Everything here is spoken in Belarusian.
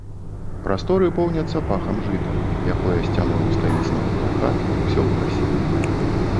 Прасторы поўняцца пахам жыта, якое сцяною стаіць навакол хат, усё ў красе.